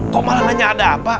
kok malah nanya ada apa